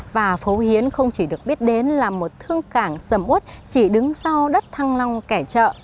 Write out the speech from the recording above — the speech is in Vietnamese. và phố hiến không chỉ được biết đến là một thương cảng sầm út chỉ đứng sau đất thăng long kẻ trợ